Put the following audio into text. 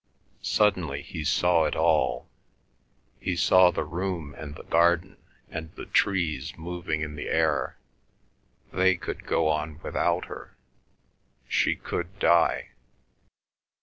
Suddenly he saw it all. He saw the room and the garden, and the trees moving in the air, they could go on without her; she could die.